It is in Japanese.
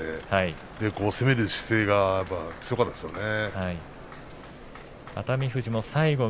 攻める姿勢が強かったですね